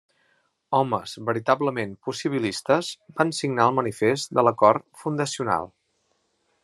Homes veritablement possibilistes van signar el manifest de l'acord fundacional.